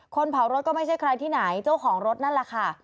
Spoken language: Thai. เผารถก็ไม่ใช่ใครที่ไหนเจ้าของรถนั่นแหละค่ะ